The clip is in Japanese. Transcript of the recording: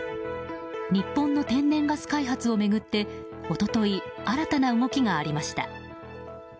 日本の天然ガス開発を巡って一昨日新たな動きがありました。